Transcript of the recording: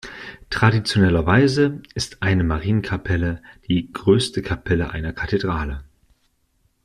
Traditionellerweise ist eine Marienkapelle die größte Kapelle einer Kathedrale.